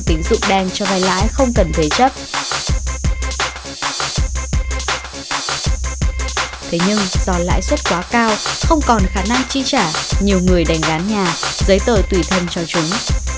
thế nhưng do lãi suất quá cao không còn khả năng chi trả nhiều người đành dán nhà giấy tờ tùy thân cho chúng